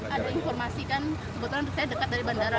ada informasi kan kebetulan saya dekat dari bandara